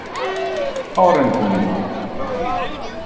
Call it anything you want.